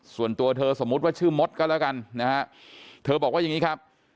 ส่วนตัวเธอสมมุติว่าชื่อมดก็แล้วกันนะฮะเธอบอกว่าอย่างนี้ครับ